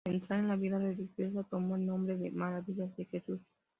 Al entrar en la vida religiosa tomó el nombre de Maravillas de Jesús.